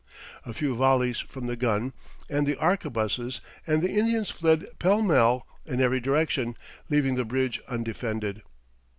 A few volleys from the guns and the arquebuses, and the Indians fled pellmell in every direction, leaving the bridge undefended.